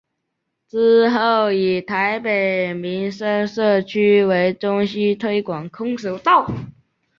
之后以台北民生社区为中心推广空手道。